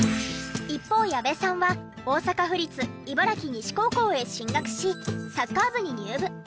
一方矢部さんは大阪府立茨木西高校へ進学しサッカー部に入部。